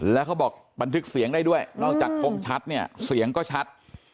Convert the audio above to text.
แล้วเขาบอกบันทึกเสียงได้ด้วยนอกจากทงชัดเนี่ยเสียงก็ชัด